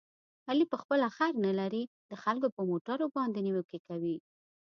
علي په خپله خر نه لري، د خلکو په موټرو باندې نیوکې کوي.